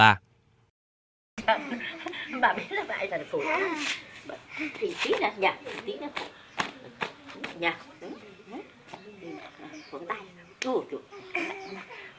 bà biết là bà ấy là đứa tuổi